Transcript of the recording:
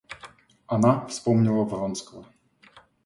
Она вспомнила Вронского.